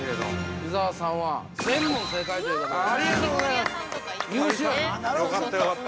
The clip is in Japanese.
◆伊沢さんは、全問正解ということで。